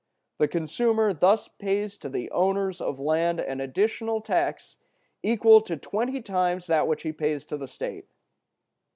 The consumer thus pays to the owners of land an additional tax, equal to twenty times that which he pays to the state.